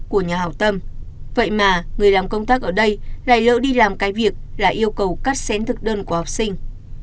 của nhà hảo tâm vậy mà người làm công tác ở đây lại lỡ đi làm cái việc là yêu cầu cắt xén thực đơn của học sinh